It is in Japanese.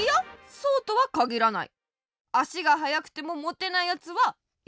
そうとはかぎらない。